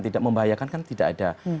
tidak membahayakan kan tidak ada